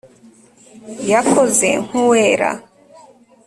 yakoze nkuwera